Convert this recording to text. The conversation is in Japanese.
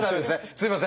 すいません！